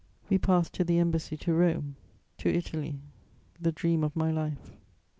We pass to the embassy to Rome, to Italy, the dream of my life.